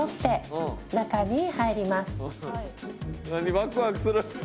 ワクワクする！